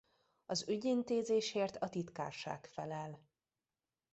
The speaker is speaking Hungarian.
Az ügyintézésért a Titkárság felel.